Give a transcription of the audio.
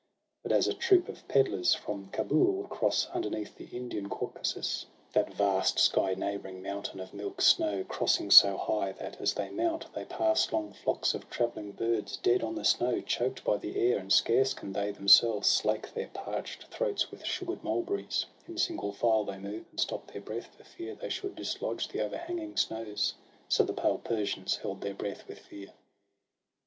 But as a troop of pedlars, from Cabool, Cross underneath the Indian Caucasus, That vast sky neighbouring mountain of milk snow; Winding so high, that, as they mount, they pass Long flocks of travelling birds dead on the snow, Choked by the air, and scarce can they themselves Slake their parch'd throats with sugar'd mulberries — In single file they move, and stop their breath. For fear they should dislodge the o'erhanging snows — So the pale Persians held their breath with fear.